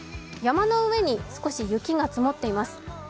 山の上に少し雪が積もっています。